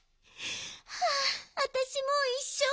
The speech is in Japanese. はあわたしもういっしょう